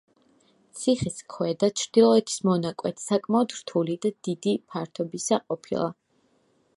ციხის ქვედა, ჩრდილოეთის მონაკვეთი, საკმაოდ რთული და დიდი ფართობისა ყოფილა.